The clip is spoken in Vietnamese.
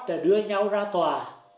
đã đưa nhau ra tòa